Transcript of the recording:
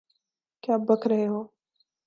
کیا بک رہے ہو؟